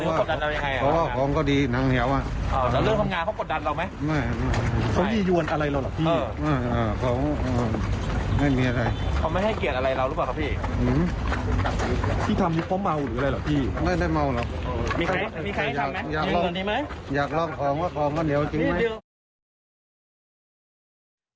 พี่เขากดดันเรายังไงครับพี่